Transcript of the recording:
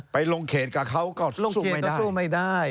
ไปลงเขตกับเขาก็สู้ไม่ได้